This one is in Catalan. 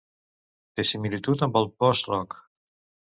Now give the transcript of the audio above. Té similituds amb el post-rock.